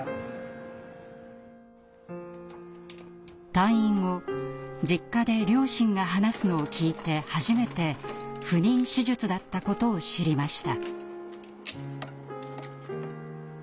退院後実家で両親が話すのを聞いて初めて不妊手術だったことを知りました。